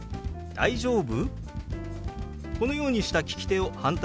大丈夫？」。